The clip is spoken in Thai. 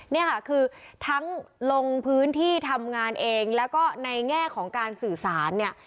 เนี่ยค่ะคือทั้งลงพื้นที่ทำงานเองแล้วก็ในแง่ของการสื่อสารเนี่ย